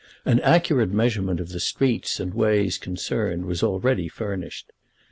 An accurate measurement of the streets and ways concerned was already furnished.